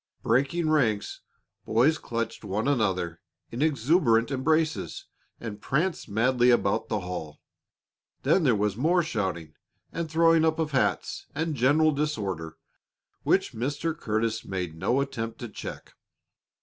Breaking ranks, boys clutched one another in exuberant embraces and pranced madly about the hall. Then there was more shouting, and throwing up of hats, and general disorder, which Mr. Curtis made no attempt to check.